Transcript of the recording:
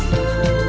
thật là hơi đẹp